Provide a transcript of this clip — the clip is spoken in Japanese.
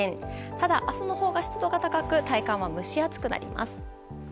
ただ、明日のほうが湿度が高く体感は蒸し暑くなります。